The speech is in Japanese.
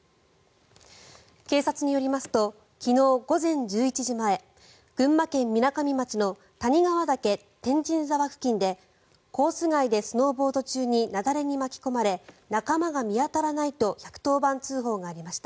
警察によりますと昨日午前１１時前群馬県みなかみ町の谷川岳天神沢付近でコース外でスノーボード中に雪崩に巻き込まれ仲間が見当たらないと１１０番通報がありました。